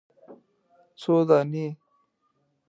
_څو دانې ؟